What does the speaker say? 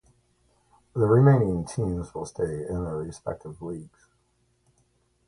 The remaining teams will stay in their respective leagues.